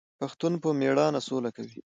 پښتون په میړانه سوله کوي.